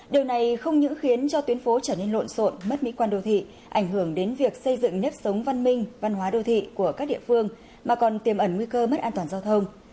điều này không những khiến cho tuyến phố trở nên lộn xộn mất mỹ quan đô thị ảnh hưởng đến việc xây dựng nếp sống văn minh văn hóa đô thị của các địa phương mà còn tiềm ẩn nguy cơ mất an toàn giao thông